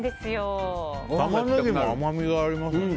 タマネギも甘みがありますね。